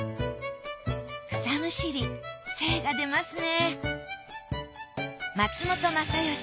草むしり精が出ますね